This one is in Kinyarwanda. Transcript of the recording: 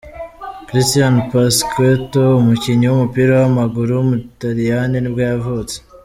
Cristian Pasquato, umukinnyi w’umupira w’amaguru w’umutaliyani nibwo yavutse.